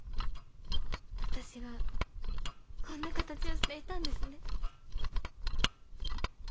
私はこんな形をしていたんですね！